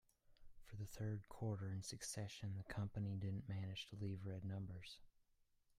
For the third quarter in succession, the company didn't manage to leave red numbers.